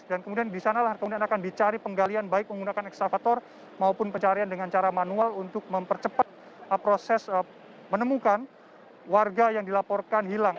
dan kemudian disanalah kemudian akan dicari penggalian baik menggunakan ekstavator maupun pencarian dengan cara manual untuk mempercepat proses menemukan warga yang dilaporkan hilang